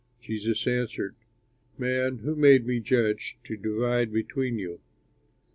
Jesus answered, "Man, who made me your judge to divide between you?"